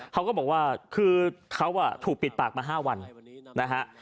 เขาก็บอกว่าคือเขาถูกปิดปากมา๕วันนะฮะ